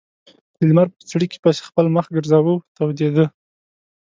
د لمر په څړیکې پسې خپل مخ ګرځاوه تودېده.